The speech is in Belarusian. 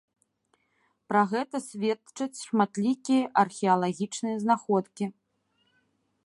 Пра гэта сведчаць шматлікія археалагічныя знаходкі.